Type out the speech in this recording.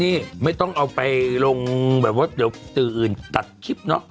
นี่ไม่ต้องเอาไปลงแบบว่าเดี๋ยวสื่ออื่นตัดคลิปเนาะ